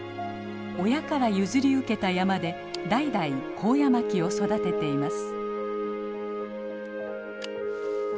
親から譲り受けた山で代々コウヤマキを育てています。